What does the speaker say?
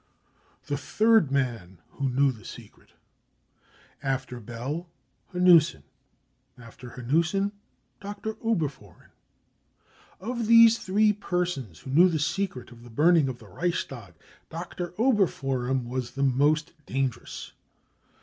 The Third Man who Knew the Secret. After Bell, Hanussen. Alter Hanussen, Dr. Oberfohren. Of these three persons who knew the secret of the burning of the Reichstag, Dr. Oberfohren was the most dangerous.